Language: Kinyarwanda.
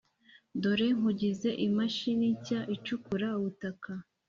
Dore nkugize imashini nshya icukura ubutaka